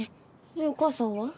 えっお母さんは？